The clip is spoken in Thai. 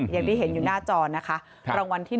ยังได้เห็นอยู่หน้าจอนะคะรางวัลที่๑๙๖๗๑๓๔